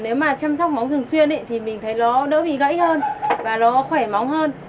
nếu mà chăm sóc máu thường xuyên thì mình thấy nó đỡ bị gãy hơn và nó khỏe máu hơn